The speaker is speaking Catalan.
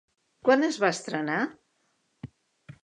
Quan es va estrenar?